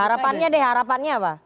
harapannya deh harapannya apa